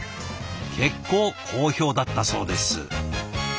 結構好評だったそうです。